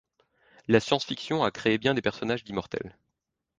La science-fiction a créé bien des personnages d'immortels.